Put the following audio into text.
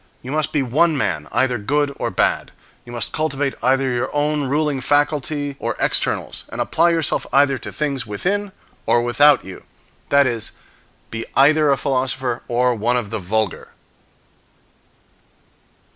You must be one man, either good or bad. You must cultivate either your own ruling faculty or externals, and apply yourself either to things within or without you; that is, be either a philosopher, or one of the vulgar.